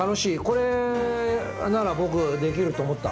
これなら僕できると思った。